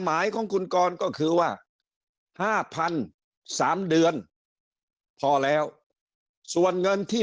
หมายของคุณกรก็คือว่า๕๓เดือนพอแล้วส่วนเงินที่